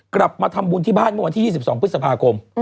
กลับมาทำบุญที่บ้านเมื่อวันที่๒๒พฤษภาคม